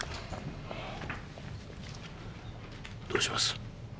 どうします？